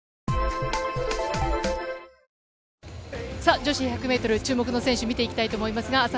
女子１００ｍ、注目の選手を見ていきたいと思います。